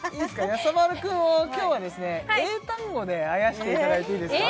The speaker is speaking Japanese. やさ丸君を今日はですね英単語であやしていただいていいですか？